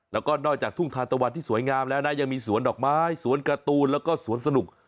แล้วก็นอกจากทุ่งทานตะวันที่สวยงามแล้วนะยังมีสวนดอกไม้สวนการ์ตูนแล้วก็สวนสนุก